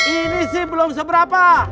ini sih belum seberapa